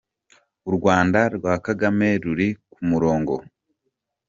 ‘U Rwanda rwa Kagame ruri ku murongo’